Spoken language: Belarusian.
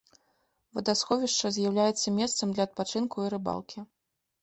Вадасховішча з'яўляецца месцам для адпачынку і рыбалкі.